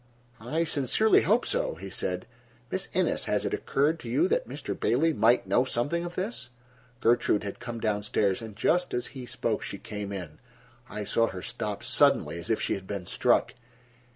"I sincerely hope so," he said. "Miss Innes, has it occurred to you that Mr. Bailey might know something of this?" Gertrude had come down stairs and just as he spoke she came in. I saw her stop suddenly, as if she had been struck.